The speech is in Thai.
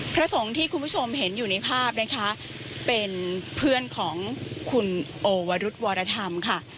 พระสงฆ์ที่คุณผู้ชมเห็นอยู่ในภาพนะคะเป็นเพื่อนของคุณโอวรุธวรธรรมค่ะ